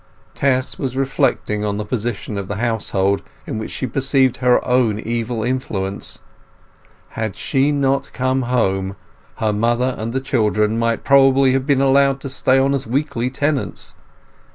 Tess was reflecting on the position of the household, in which she perceived her own evil influence. Had she not come home, her mother and the children might probably have been allowed to stay on as weekly tenants.